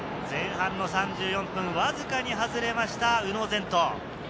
前半の３４分、わずかに外れました、宇野禅斗。